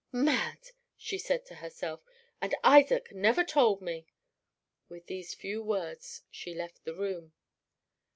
"Mad!" she said to herself; "and Isaac never told me." With these few words she left the room.